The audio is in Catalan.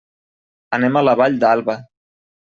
Anem a la Vall d'Alba.